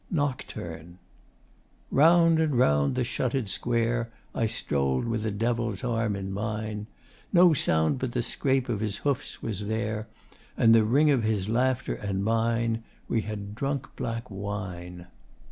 NOCTURNE. Round and round the shutter'd Square I stroll'd with the Devil's arm in mine. No sound but the scrape of his hoofs was there And the ring of his laughter and mine. We had drunk black wine.